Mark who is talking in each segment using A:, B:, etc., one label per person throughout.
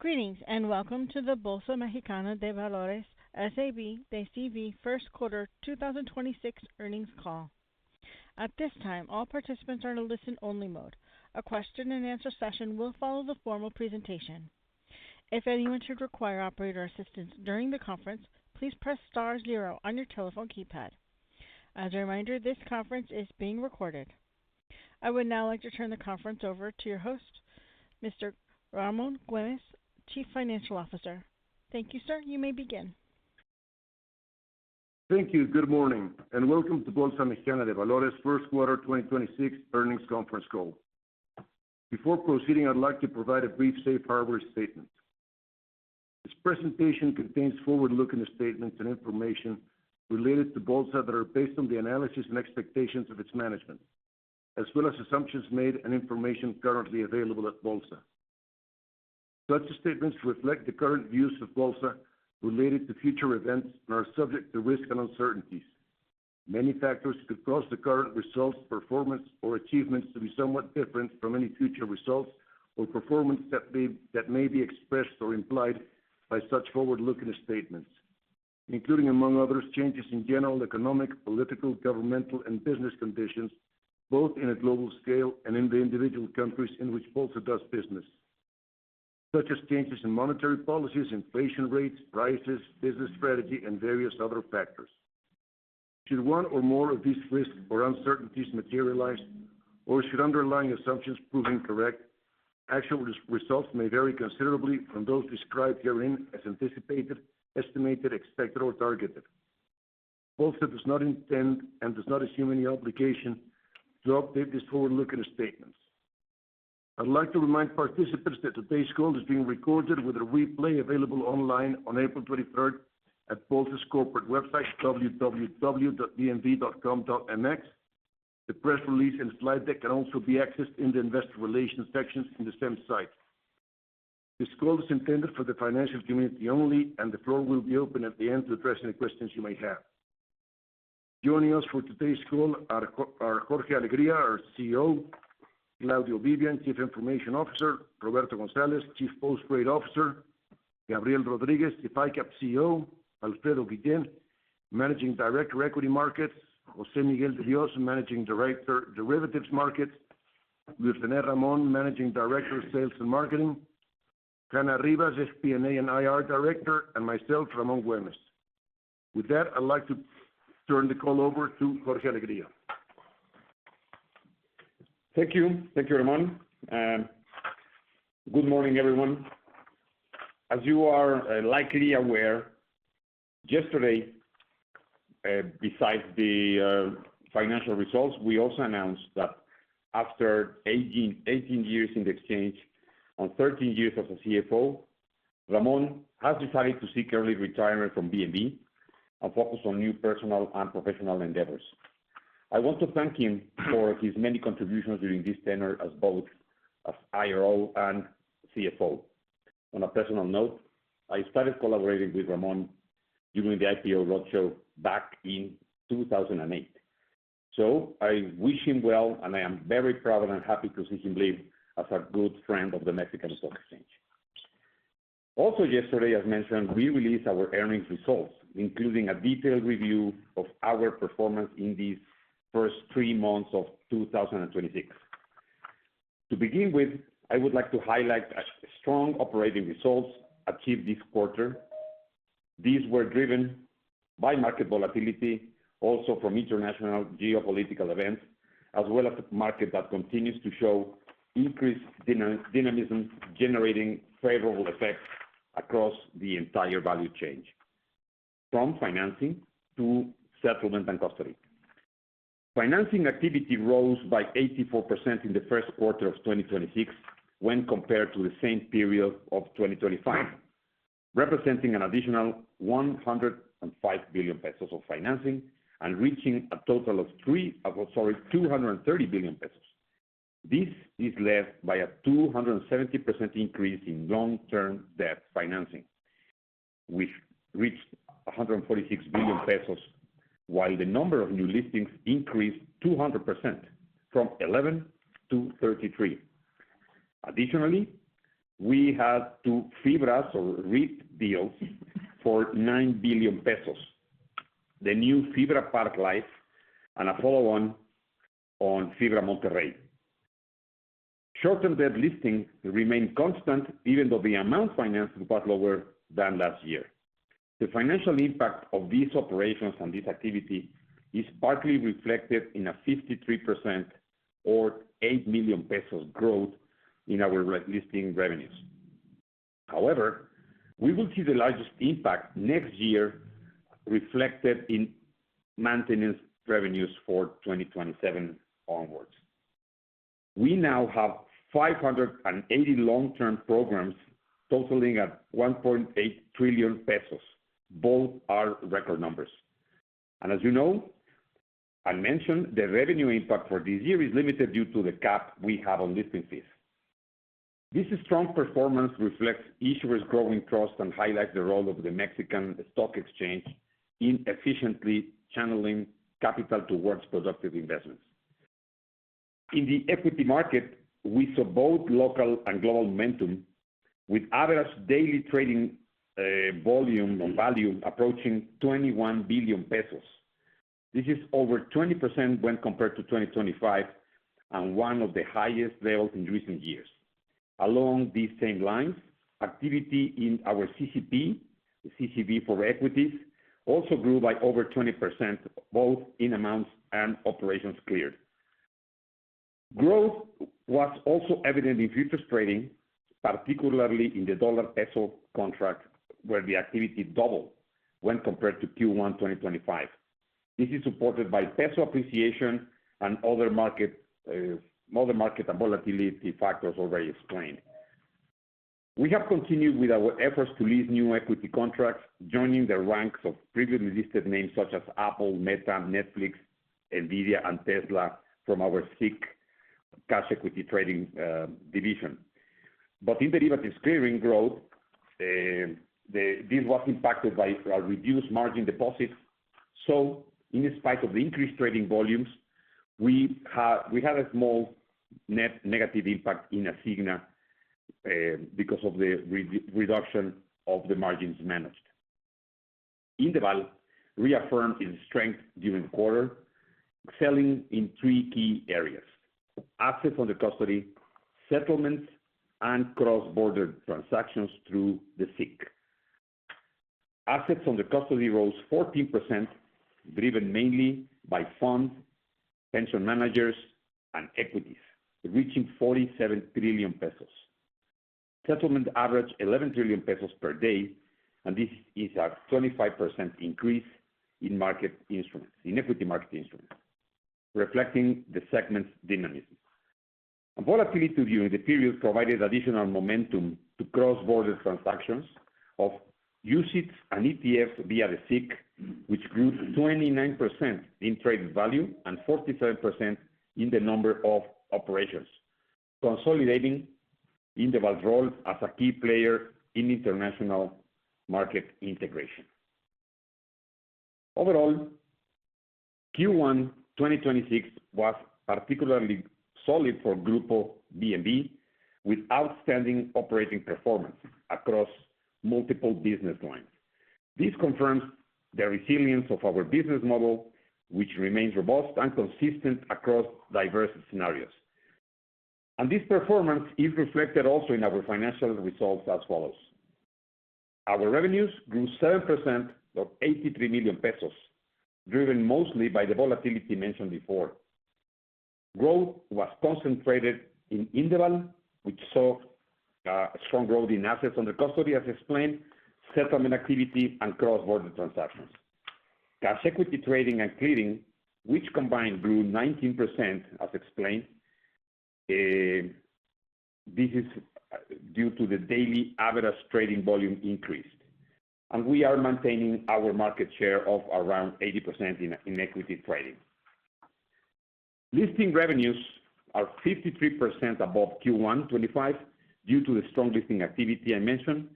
A: Greetings, and welcome to the Bolsa Mexicana de Valores, S.A.B. de C.V. first quarter 2026 earnings call. At this time, all participants are in a listen-only mode. A question and answer session will follow the formal presentation. If anyone should require operator assistance during the conference, please press star zero on your telephone keypad. As a reminder, this conference is being recorded. I would now like to turn the conference over to your host, Mr. Ramón Güemez, Chief Financial Officer. Thank you, sir. You may begin.
B: Thank you. Good morning, and welcome to Bolsa Mexicana de Valores first quarter 2026 earnings conference call. Before proceeding, I'd like to provide a brief safe harbor statement. This presentation contains forward-looking statements and information related to Bolsa that are based on the analysis and expectations of its management, as well as assumptions made and information currently available at Bolsa. Such statements reflect the current views of Bolsa related to future events and are subject to risks and uncertainties. Many factors could cause the current results, performance, or achievements to be somewhat different from any future results or performance that may be expressed or implied by such forward-looking statements, including, among others, changes in general economic, political, governmental, and business conditions, both in a global scale and in the individual countries in which Bolsa does business, such as changes in monetary policies, inflation rates, prices, business strategy, and various other factors. Should one or more of these risks or uncertainties materialize or should underlying assumptions prove incorrect, actual results may vary considerably from those described herein as anticipated, estimated, expected, or targeted. Bolsa does not intend and does not assume any obligation to update these forward-looking statements. I'd like to remind participants that today's call is being recorded with a replay available online on April 23rd at Bolsa's corporate website, www.bmv.com.mx. The press release and slide deck can also be accessed in the investor relations section on the same site. This call is intended for the financial community only, and the floor will be open at the end to address any questions you may have. Joining us for today's call are Jorge Alegría, our CEO, Claudio Vivian, Chief Information Officer, Roberto González, Chief Post-Trade Officer, Gabriel Rodríguez, SIF ICAP CEO, Alfredo Guillén, Managing Director, Equity Markets, José Miguel de Dios, Managing Director, Derivatives Markets, Luis René Ramón, Managing Director, Sales and Marketing, Hanna Rivas, SP&A and IR Director, and myself, Ramón Güemez. With that, I'd like to turn the call over to Jorge Alegría.
C: Thank you. Thank you, Ramón. Good morning, everyone. As you are likely aware, yesterday, besides the financial results, we also announced that after 18 years in the exchange and 13 years as a CFO, Ramón has decided to seek early retirement from BMV and focus on new personal and professional endeavors. I want to thank him for his many contributions during this tenure as both IRO and CFO. On a personal note, I started collaborating with Ramón during the IPO road show back in 2008. I wish him well and I am very proud and happy to see him leave as a good friend of the Mexican Stock Exchange. Also yesterday, as mentioned, we released our earnings results, including a detailed review of our performance in these first three months of 2026. To begin with, I would like to highlight a strong operating results achieved this quarter. These were driven by market volatility, also from international geopolitical events, as well as a market that continues to show increased dynamism, generating favorable effects across the entire value chain, from financing to settlement and custody. Financing activity rose by 84% in the first quarter of 2026 when compared to the same period of 2025, representing an additional 105 billion pesos of financing and reaching a total of 230 billion pesos. This is led by a 270% increase in long-term debt financing, which reached 146 billion pesos, while the number of new listings increased 200% from 11 to 33. Additionally, we had two FIBRAs or REIT deals for 9 billion pesos. The new Fibra Park Life and a follow-on on Fibra Mty. Short-term debt listings remain constant, even though the amount financed was lower than last year. The financial impact of these operations and this activity is partly reflected in a 53% or 8 million pesos growth in our listing revenues. However, we will see the largest impact next year reflected in maintenance revenues for 2027 onwards. We now have 580 long-term programs totaling at 1.8 trillion pesos, both are record numbers. As you know, I mentioned the revenue impact for this year is limited due to the cap we have on listing fees. This strong performance reflects issuers' growing trust and highlights the role of the Mexican Stock Exchange in efficiently channeling capital towards productive investments. In the equity market, we saw both local and global momentum with average daily trading volume on value approaching 21 billion pesos. This is over 20% when compared to 2025, and one of the highest levels in recent years. Along these same lines, activity in our CCP, the CCP for equities, also grew by over 20%, both in amounts and operations cleared. Growth was also evident in futures trading, particularly in the dollar-peso contract, where the activity doubled when compared to Q1 2025. This is supported by peso appreciation and other market and volatility factors already explained. We have continued with our efforts to list new equity contracts, joining the ranks of previously listed names such as Apple, Meta, Netflix, NVIDIA, and Tesla from our SIC, Cash Equity Trading division. In derivatives clearing growth, this was impacted by our reduced margin deposits. In spite of the increased trading volumes, we had a small net negative impact in Asigna because of the reduction of the margins managed. Indeval reaffirmed its strength during the quarter, excelling in three key areas. Assets under custody, settlements, and cross-border transactions through the SIC. Assets under custody rose 14%, driven mainly by funds, pension managers, and equities, reaching 47 trillion pesos. Settlement averaged 11 trillion pesos per day, and this is a 25% increase in equity market instruments, reflecting the segment's dynamism. Volatility during the period provided additional momentum to cross-border transactions of UCITS and ETFs via the SIC, which grew 29% in traded value and 43% in the number of operations, consolidating Indeval's role as a key player in international market integration. Overall, Q1 2026 was particularly solid for Grupo BMV, with outstanding operating performance across multiple business lines. This confirms the resilience of our business model, which remains robust and consistent across diverse scenarios. This performance is reflected also in our financial results as follows. Our revenues grew 7% to 83 million pesos, driven mostly by the volatility mentioned before. Growth was concentrated in Indeval, which saw strong growth in assets under custody, as explained, settlement activity, and cross-border transactions. Cash equity trading and clearing, which combined grew 19%, as explained, this is due to the daily average trading volume increase. We are maintaining our market share of around 80% in equity trading. Listing revenues are 53% above Q1 2025 due to the strong listing activity I mentioned,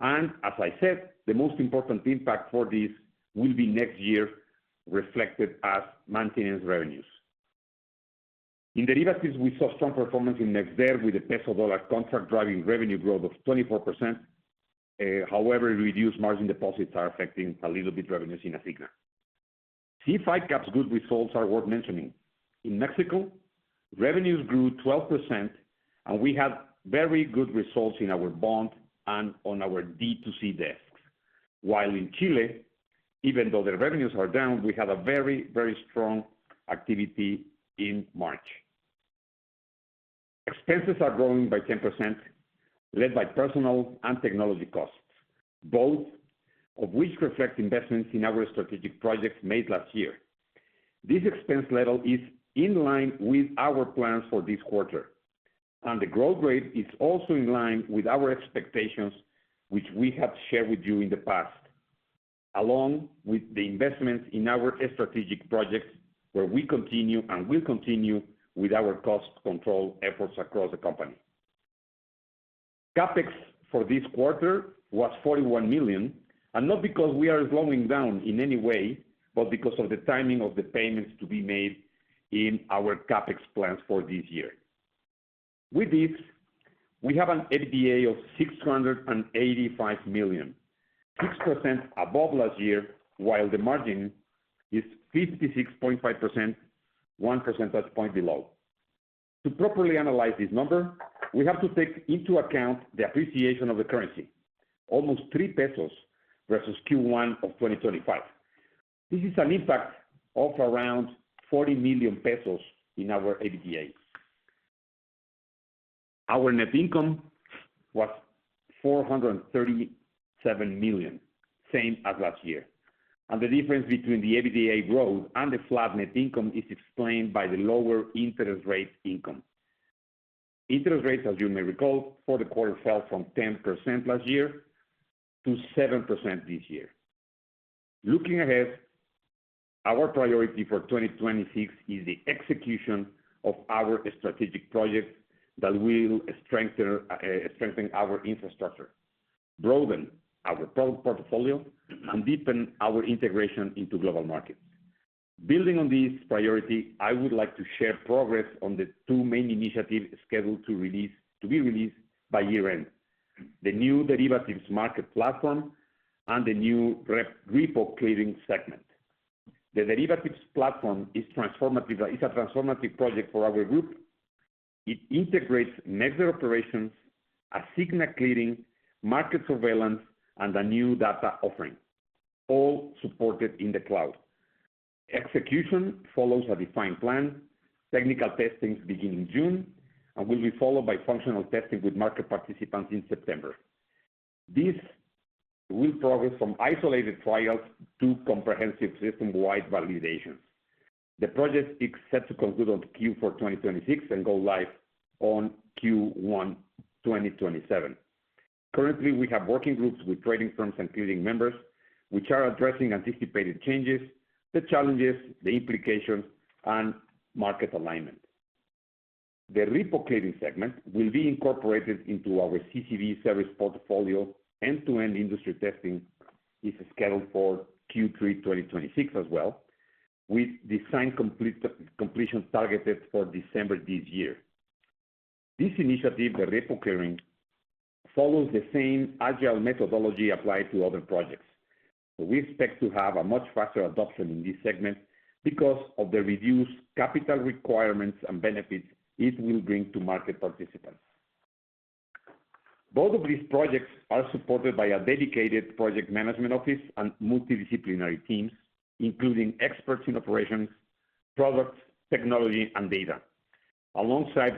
C: and as I said, the most important impact for this will be next year reflected as maintenance revenues. In derivatives, we saw strong performance in MexDer with the peso-dollar contract driving revenue growth of 24%. However, reduced margin deposits are affecting a little bit revenues in Asigna. SIF ICAP good results are worth mentioning. In Mexico, revenues grew 12%, and we had very good results in our bond and on our D2C desks. While in Chile, even though the revenues are down, we had a very strong activity in March. Expenses are growing by 10%, led by personnel and technology costs, both of which reflect investments in our strategic projects made last year. This expense level is in line with our plans for this quarter, and the growth rate is also in line with our expectations, which we have shared with you in the past, along with the investments in our strategic projects, where we continue and will continue with our cost control efforts across the company. CapEx for this quarter was 41 million, and not because we are slowing down in any way, but because of the timing of the payments to be made in our CapEx plans for this year. With this, we have an EBITDA of 685 million, 6% above last year, while the margin is 56.5%, 1 percentage point below. To properly analyze this number, we have to take into account the appreciation of the currency, almost three pesos versus Q1 2025. This is an impact of around 40 million pesos in our EBITDA. Our net income was 437 million, same as last year. The difference between the EBITDA growth and the flat net income is explained by the lower interest rate income. Interest rates, as you may recall, for the quarter fell from 10% last year to 7% this year. Looking ahead, our priority for 2026 is the execution of our strategic projects that will strengthen our infrastructure, broaden our product portfolio and deepen our integration into global markets. Building on this priority, I would like to share progress on the two main initiatives scheduled to be released by year-end, the new derivatives market platform, and the new repo clearing segment. The derivatives platform is a transformative project for our group. It integrates MexDer operations, Asigna Clearing, market surveillance, and a new data offering, all supported in the cloud. Execution follows a defined plan. Technical testing begins in June and will be followed by functional testing with market participants in September. This will progress from isolated trials to comprehensive system-wide validation. The project is set to conclude on Q4 2026 and go live on Q1 2027. Currently, we have working groups with trading firms and clearing members which are addressing anticipated changes, the challenges, the implications, and market alignment. The repo clearing segment will be incorporated into our CCV service portfolio. End-to-end industry testing is scheduled for Q3 2026 as well, with design completion targeted for December this year. This initiative, the repo clearing, follows the same agile methodology applied to other projects. We expect to have a much faster adoption in this segment because of the reduced capital requirements and benefits it will bring to market participants. Both of these projects are supported by a dedicated project management office and multidisciplinary teams, including experts in operations, products, technology, and data, alongside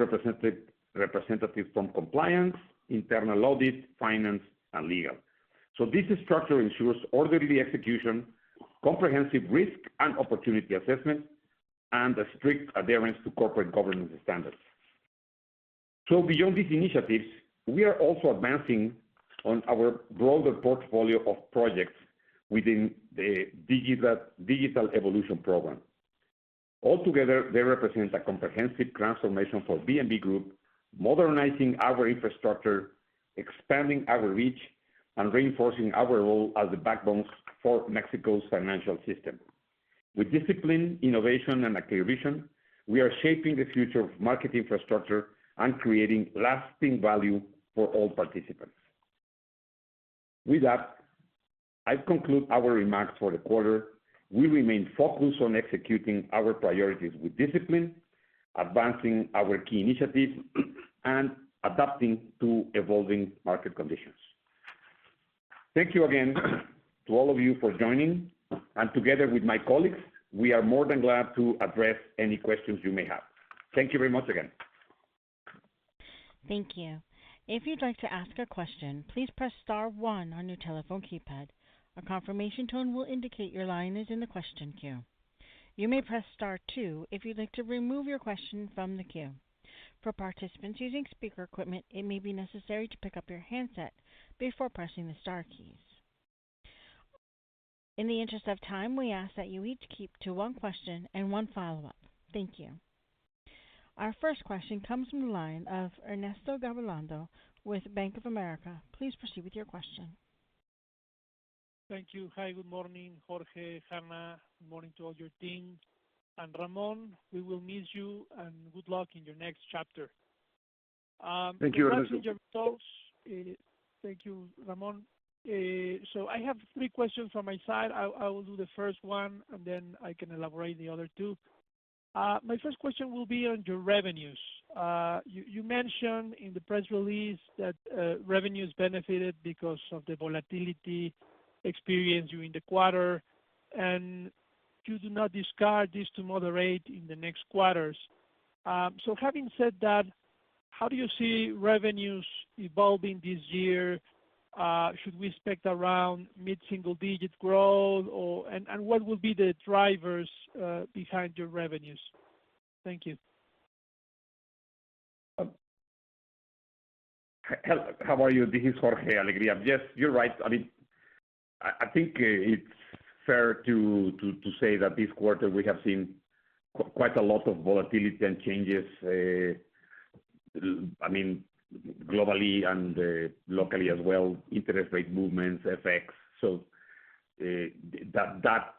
C: representatives from compliance, internal audit, finance, and legal. This structure ensures orderly execution, comprehensive risk and opportunity assessment, and a strict adherence to corporate governance standards. Beyond these initiatives, we are also advancing on our broader portfolio of projects within the digital evolution program. Altogether, they represent a comprehensive transformation for Grupo BMV, modernizing our infrastructure, expanding our reach, and reinforcing our role as the backbone for Mexico's financial system. With discipline, innovation and a clear vision, we are shaping the future of market infrastructure and creating lasting value for all participants. With that, I conclude our remarks for the quarter. We remain focused on executing our priorities with discipline, advancing our key initiatives, and adapting to evolving market conditions. Thank you again to all of you for joining. Together with my colleagues, we are more than glad to address any questions you may have. Thank you very much again.
A: Thank you. If you'd like to ask a question, please press star one on your telephone keypad. A confirmation tone will indicate your line is in the question queue. You may press star two if you'd like to remove your question from the queue. For participants using speaker equipment, it may be necessary to pick up your handset before pressing the star keys. In the interest of time, we ask that you each keep to one question and one follow-up. Thank you. Our first question comes from the line of Ernesto Gabilondo with Bank of America. Please proceed with your question.
D: Thank you. Hi, good morning, Jorge, Hanna. Good morning to all your team. Ramón, we will miss you and good luck in your next chapter.
B: Thank you, Ernesto.
D: Congratulations on your talks. Thank you, Ramón. I have three questions from my side. I will do the first one, and then I can elaborate the other two. My first question will be on your revenues. You mentioned in the press release that revenues benefited because of the volatility experienced during the quarter, and you do not discard this to moderate in the next quarters. Having said that, how do you see revenues evolving this year? Should we expect around mid-single digit growth? And what will be the drivers behind your revenues? Thank you.
C: How are you? This is Jorge Alegría. Yes, you're right. I think it's fair to say that this quarter we have seen quite a lot of volatility and changes, globally and locally as well, interest rate movements, effects. That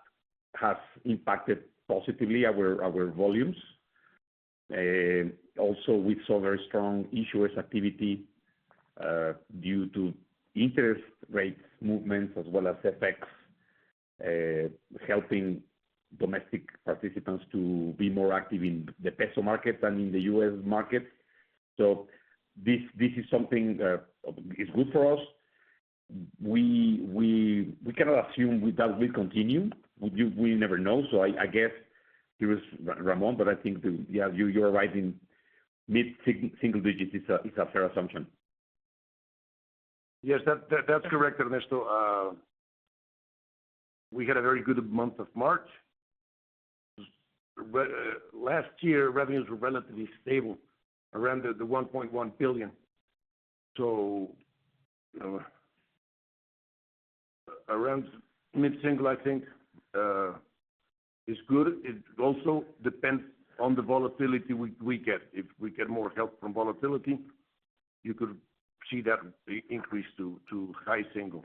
C: has impacted positively our volumes. Also, we saw very strong issuers activity due to interest rate movements as well as FX helping domestic participants to be more active in the peso market than in the U.S. market. This is something that is good for us. We cannot assume that will continue. We never know. I guess, here is Ramón, but I think you're right in mid-single digits. It's a fair assumption.
B: Yes. That's correct, Ernesto. We had a very good month of March. Last year, revenues were relatively stable around the 1.1 billion. Around mid-single, I think is good. It also depends on the volatility we get. If we get more help from volatility, you could see that increase to high single.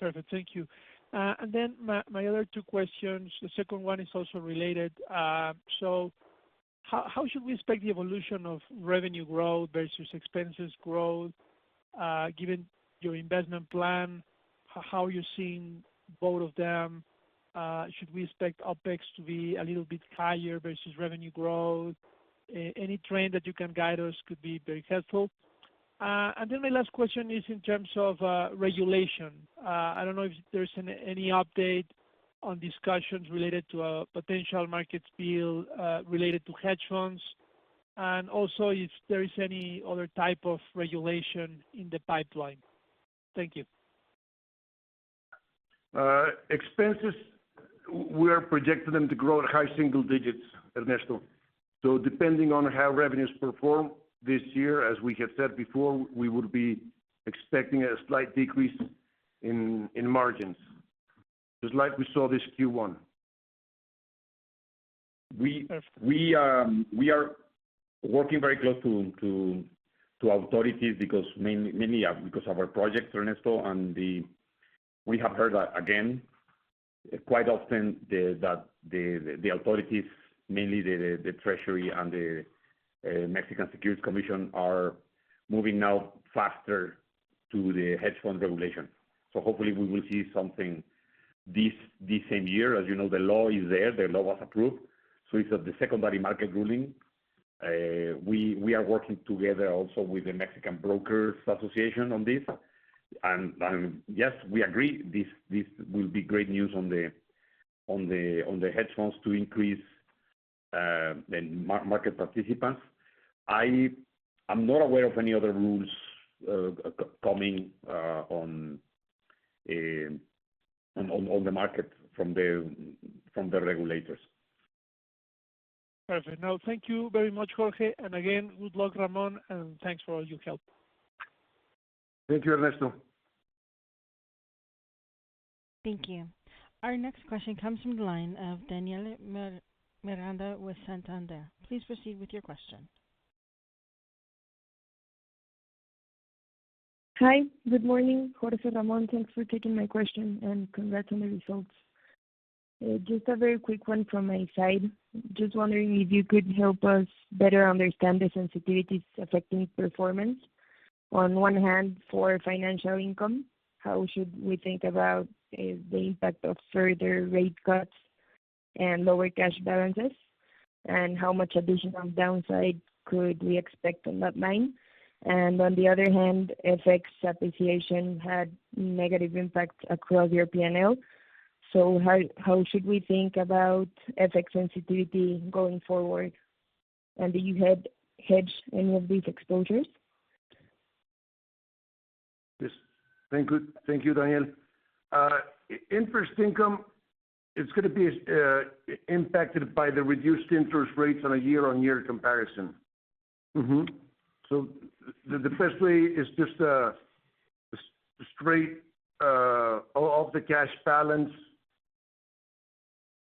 D: Perfect. Thank you. Then my other two questions, the second one is also related. How should we expect the evolution of revenue growth versus expenses growth, given your investment plan? How are you seeing both of them? Should we expect OpEx to be a little bit higher versus revenue growth? Any trend that you can guide us could be very helpful. Then my last question is in terms of regulation. I don't know if there's any update on discussions related to a potential markets bill related to hedge funds, and also if there is any other type of regulation in the pipeline. Thank you.
C: Expenses, we are projecting them to grow at high single digits, Ernesto. Depending on how revenues perform this year, as we have said before, we would be expecting a slight decrease in margins. Just like we saw this Q1.
D: Perfect.
C: We are working very close to authorities because mainly because of our projects, Ernesto. We have heard again, quite often that the authorities, mainly the Treasury and the Mexican Securities Commission, are moving now faster to the hedge fund regulation. Hopefully we will see something this same year. As you know, the law is there, the law was approved. It's at the secondary market ruling. We are working together also with the Mexican Brokers Association on this. Yes, we agree, this will be great news on the hedge funds to increase market participants. I'm not aware of any other rules coming on the market from the regulators.
D: Perfect. No, thank you very much, Jorge. Again, good luck, Ramón, and thanks for all your help.
B: Thank you, Ernesto.
A: Thank you. Our next question comes from the line of Danele Miranda with Santander. Please proceed with your question.
E: Hi. Good morning, Jorge, Ramón. Thanks for taking my question and congrats on the results. Just a very quick one from my side. Just wondering if you could help us better understand the sensitivities affecting performance. On one hand, for financial income, how should we think about the impact of further rate cuts and lower cash balances? And how much additional downside could we expect on that line? And on the other hand, FX appreciation had negative impacts across your P&L. How should we think about FX sensitivity going forward? Did you hedge any of these exposures?
B: Yes. Thank you, Danele. Interest income is going to be impacted by the reduced interest rates on a year-on-year comparison. Mm-hmm. The best way is just straight off the cash balance.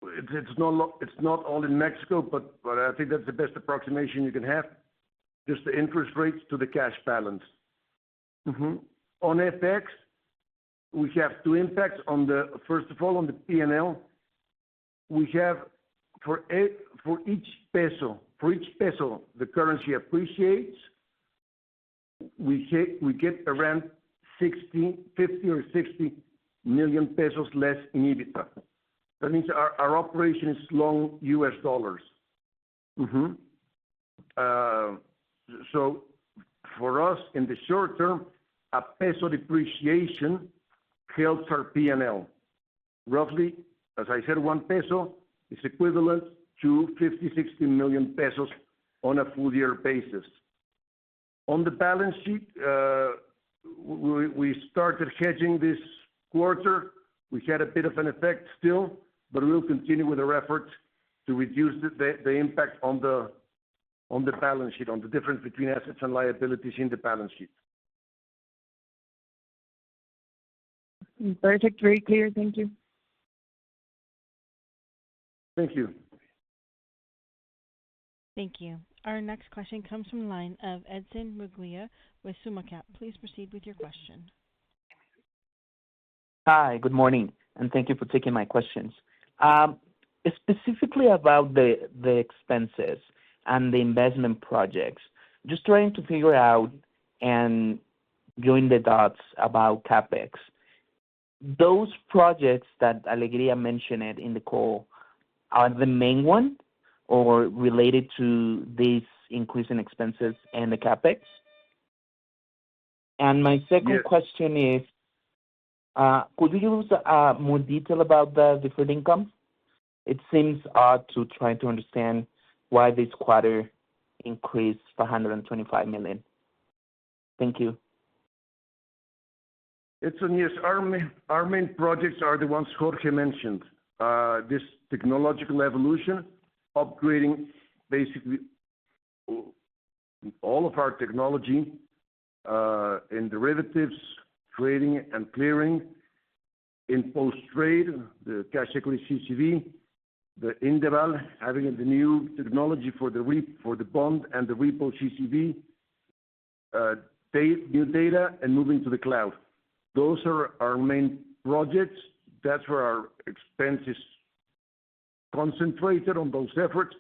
B: It's not all in Mexico, but I think that's the best approximation you can have, just the interest rates to the cash balance. Mm-hmm. On FX, we have two impacts. First of all, on the P&L, we have for each peso the currency appreciates, we get around 50 million or 60 million pesos less in EBITDA. That means our operation is long U.S. dollars. Mm-hmm. For us, in the short term, a peso depreciation helps our P&L. Roughly, as I said, one peso is equivalent to 50 million-60 million pesos on a full year basis. On the balance sheet, we started hedging this quarter. We had a bit of an effect still, but we will continue with our efforts to reduce the impact on the balance sheet, on the difference between assets and liabilities in the balance sheet.
E: Perfect. Very clear. Thank you.
B: Thank you.
A: Thank you. Our next question comes from the line of Edson Murguia with Summa Cap. Please proceed with your question.
F: Hi, good morning, and thank you for taking my questions. Specifically about the expenses and the investment projects. Just trying to figure out and join the dots about CapEx. Those projects that Alegría mentioned in the call are the main one or related to this increase in expenses and the CapEx? And my second question is, could we use more detail about the deferred income? It seems odd to try to understand why this quarter increased to 125 million. Thank you.
B: Edson, yes. Our main projects are the ones Jorge mentioned. This technological evolution, upgrading basically All of our technology in derivatives, trading and clearing, in post-trade, the cash equity CCV, the Indeval, having the new technology for the bond and the repo CCV, new data and moving to the cloud. Those are our main projects. That's where our expense is concentrated on those efforts,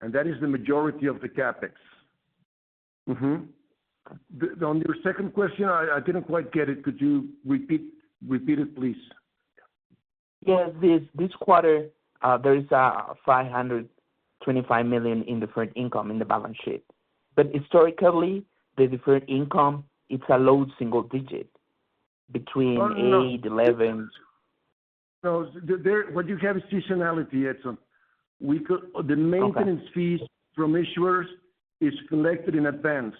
B: and that is the majority of the CapEx. Mm-hmm. On your second question, I didn't quite get it. Could you repeat it, please?
F: Yes. This quarter, there is 525 million in deferred income in the balance sheet. Historically, the deferred income, it's a low single digit between 8%-11%.
B: No. What you have is seasonality, Edson. The maintenance.
F: Okay
B: fees from issuers is collected in advance.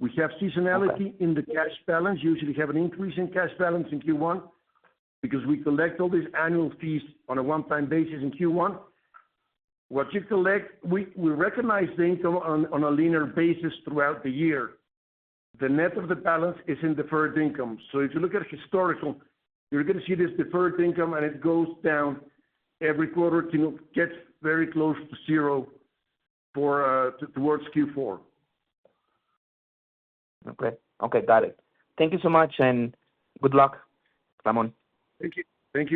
B: We have seasonality
F: Okay
B: in the cash balance. Usually, we have an increase in cash balance in Q1 because we collect all these annual fees on a one-time basis in Q1. What you collect, we recognize the income on a linear basis throughout the year. The net of the balance is in deferred income. If you look at historical, you're going to see this deferred income and it goes down every quarter till it gets very close to zero towards Q4.
F: Okay. Got it. Thank you so much, and good luck, Ramón.
B: Thank you.
A: Thank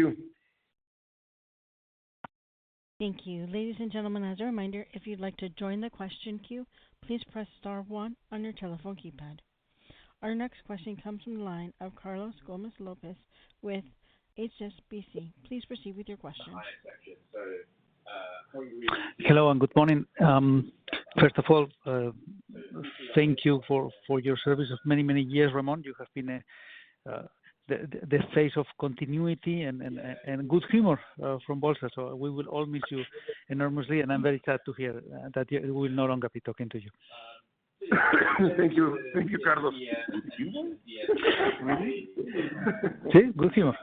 A: you. Ladies and gentlemen, as a reminder, if you'd like to join the question queue, please press star one on your telephone keypad. Our next question comes from the line of Carlos Gomez-Lopez with HSBC. Please proceed with your question.
G: Hello and good morning. First of all, thank you for your service of many, many years, Ramón. You have been the face of continuity and good humor from Bolsa. We will all miss you enormously, and I'm very sad to hear that we will no longer be talking to you.
B: Thank you, Carlos. Good humor? Me?
G: Yes, good humor.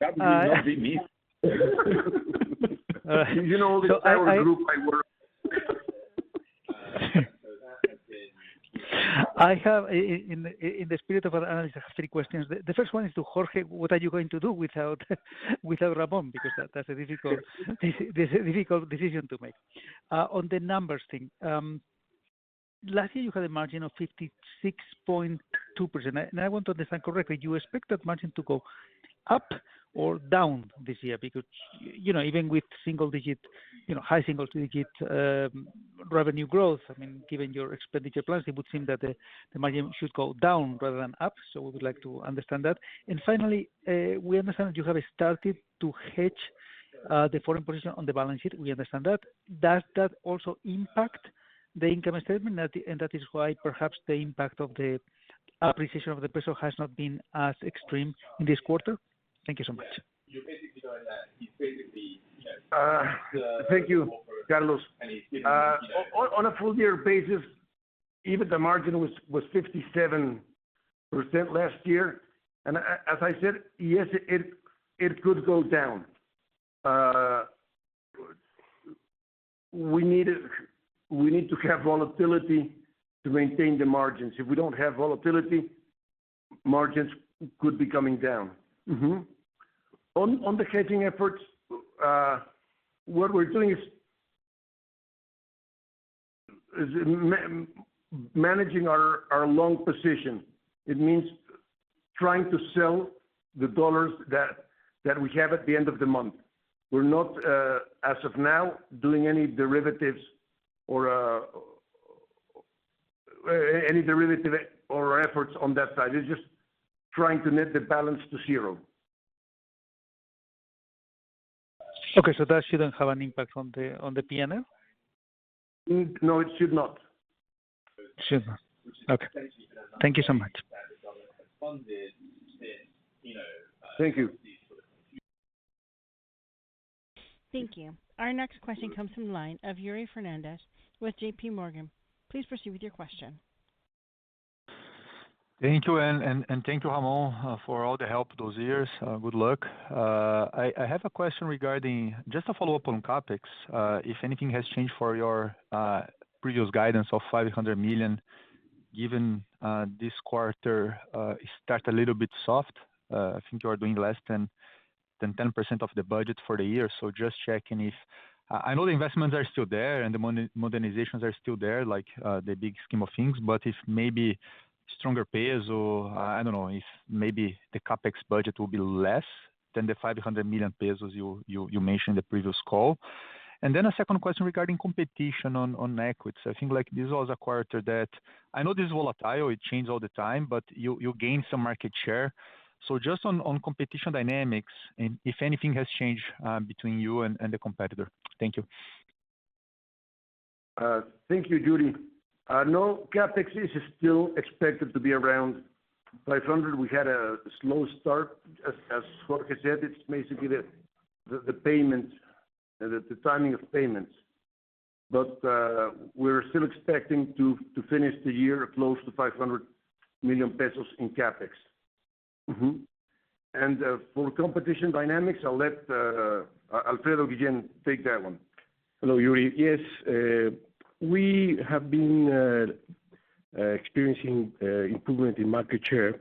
B: That would not be me. You know this entire group I work
G: I have, in the spirit of an analyst, I have three questions. The first one is to Jorge. What are you going to do without Ramón? Because that's a difficult decision to make. On the numbers thing, lastly, you had a margin of 56.2%. I want to understand correctly, do you expect that margin to go up or down this year? Because even with high single-digit revenue growth, given your expenditure plans, it would seem that the margin should go down rather than up. We would like to understand that. Finally, we understand that you have started to hedge the foreign position on the balance sheet. We understand that. Does that also impact the income statement, and that is why perhaps the impact of the appreciation of the peso has not been as extreme in this quarter? Thank you so much.
B: Thank you, Carlos. On a full year basis, even the margin was 57% last year. As I said, yes, it could go down. We need to have volatility to maintain the margins. If we don't have volatility, margins could be coming down. Mm-hmm. On the hedging efforts, what we're doing is managing our long position. It means trying to sell the U.S. dollars that we have at the end of the month. We're not, as of now, doing any derivatives or efforts on that side. It's just trying to net the balance to zero.
G: Okay. That shouldn't have an impact on the P&L?
B: No, it should not.
G: It should not. Okay. Thank you so much.
B: Thank you.
A: Thank you. Our next question comes from the line of Yuri Fernandes with JPMorgan. Please proceed with your question.
H: Thank you, and thank you, Ramón, for all the help those years. Good luck. I have a question regarding just a follow-up on CapEx, if anything has changed for your previous guidance of 500 million, given this quarter start a little bit soft. I think you are doing less than 10% of the budget for the year. Just checking if I know the investments are still there and the modernizations are still there, like the big scheme of things. But if maybe stronger peso, I don't know, if maybe the CapEx budget will be less than the 500 million pesos you mentioned the previous call. A second question regarding competition on equities. I think this was a quarter that I know this is volatile, it changed all the time, but you gained some market share. Just on competition dynamics, if anything has changed between you and the competitor? Thank you.
B: Thank you, Yuri. No, CapEx is still expected to be around 500. We had a slow start, as Jorge said. It's basically the timing of payments. We're still expecting to finish the year close to 500 million pesos in CapEx. For competition dynamics, I'll let Alfredo Guillén take that one.
I: Hello, Yuri. Yes, we have been experiencing improvement in market share,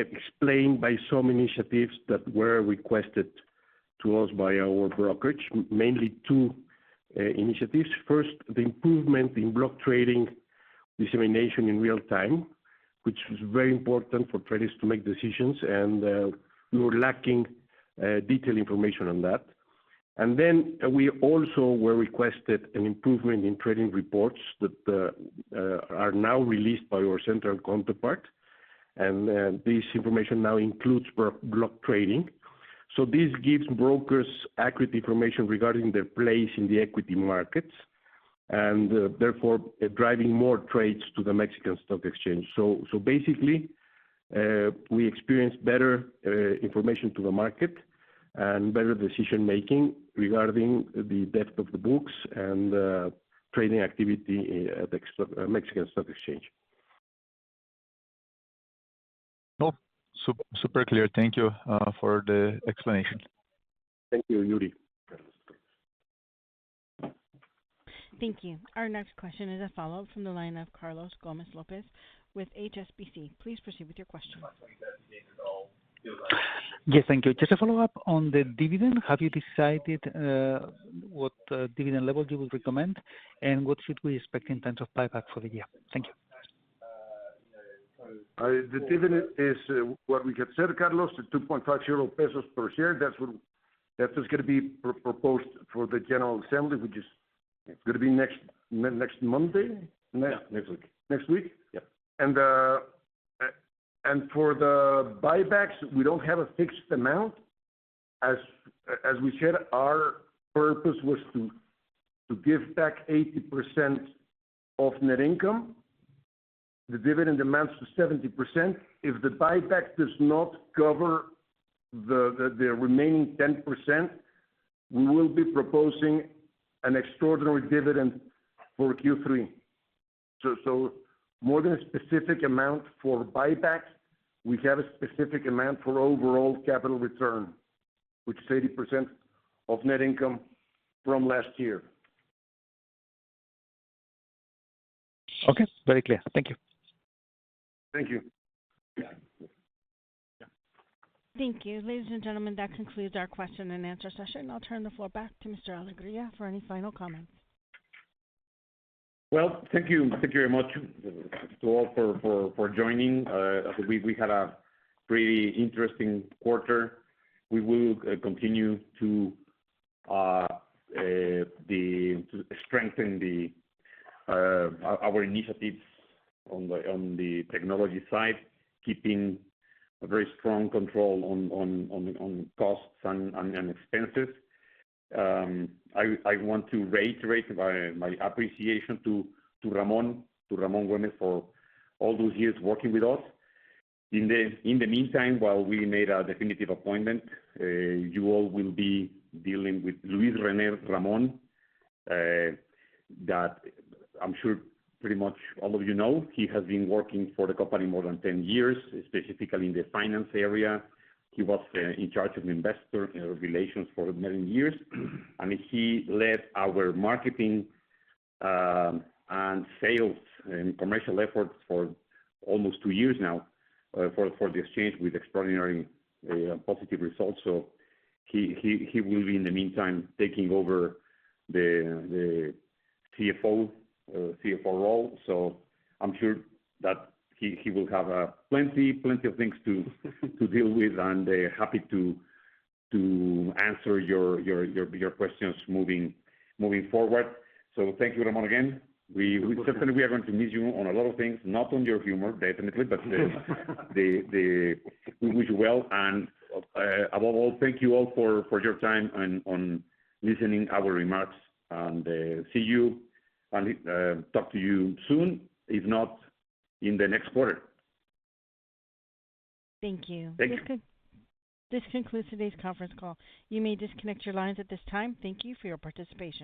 I: explained by some initiatives that were requested to us by our brokerage. Mainly two initiatives. First, the improvement in block trading dissemination in real time, which is very important for traders to make decisions, and we were lacking detailed information on that. Then we also were requested an improvement in trading reports that are now released by our central counterparty. This information now includes block trading. This gives brokers accurate information regarding their place in the equity markets, and therefore driving more trades to the Mexican Stock Exchange. Basically, we experience better information to the market and better decision-making regarding the depth of the books and trading activity at the Mexican Stock Exchange.
H: Oh, super clear. Thank you for the explanation.
I: Thank you, Yuri.
A: Thank you. Our next question is a follow-up from the line of Carlos Gomez-Lopez with HSBC. Please proceed with your question.
G: Yes, thank you. Just a follow-up on the dividend. Have you decided what dividend level you would recommend? What should we expect in terms of buyback for the year? Thank you.
B: The dividend is what we had said, Carlos, the 2.50 pesos per share. That is going to be proposed for the general assembly, which is going to be next Monday?
I: Yeah. Next week.
B: Next week?
I: Yeah.
B: For the buybacks, we don't have a fixed amount. As we said, our purpose was to give back 80% of net income. The dividend amounts to 70%. If the buyback does not cover the remaining 10%, we will be proposing an extraordinary dividend for Q3. More than a specific amount for buybacks, we have a specific amount for overall capital return, which is 80% of net income from last year.
G: Okay. Very clear. Thank you.
B: Thank you.
A: Thank you. Ladies and gentlemen, that concludes our question and answer session. I'll turn the floor back to Mr. Alegría for any final comments.
C: Well, thank you. Thank you very much to all for joining. We had a pretty interesting quarter. We will continue to strengthen our initiatives on the technology side, keeping a very strong control on costs and expenses. I want to reiterate my appreciation to Ramón Güemez for all those years working with us. In the meantime, while we made a definitive appointment, you all will be dealing with Luis René Ramón. That I'm sure pretty much all of you know. He has been working for the company more than 10 years, specifically in the finance area. He was in charge of investor relations for many years, and he led our marketing and sales and commercial efforts for almost two years now for the exchange with extraordinary positive results. He will be, in the meantime, taking over the CFO role. I'm sure that he will have plenty of things to deal with and happy to answer your questions moving forward. Thank you, Ramón, again. We certainly are going to miss you on a lot of things, not on your humor, definitely. We wish you well. Above all, thank you all for your time and listening to our remarks. See you and talk to you soon, if not in the next quarter.
A: Thank you.
C: Thank you.
A: This concludes today's conference call. You may disconnect your lines at this time. Thank you for your participation.